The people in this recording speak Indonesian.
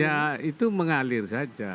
ya itu mengalir saja